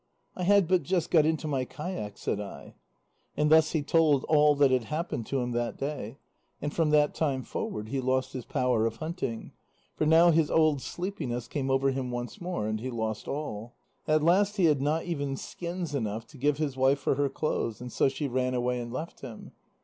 "'I had but just got into my kayak,'" said I. And thus he told all that had happened to him that day, and from that time forward he lost his power of hunting, for now his old sleepiness came over him once more, and he lost all. At last he had not even skins enough to give his wife for her clothes, and so she ran away and left him.